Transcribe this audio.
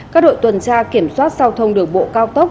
các đội tuần tra kiểm soát giao thông đường bộ cao tốc